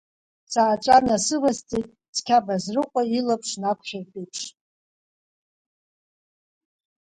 Сааҵәа насывасҵеит, цқьа Базрыҟәа илаԥш нақәшәартә еиԥш…